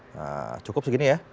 nah cukup segini ya